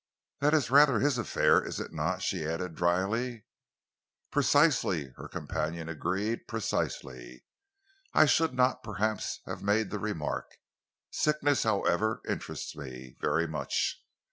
"That is rather his affair, is it not?" she said drily. "Precisely," her companion agreed. "Precisely! I should not, perhaps, have made the remark. Sickness, however, interests me very much.